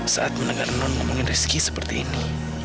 saat menengah non ngomongin rizky seperti ini